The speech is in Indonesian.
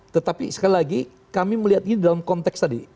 tetapi sekali lagi kami melihat ini dalam konteks tadi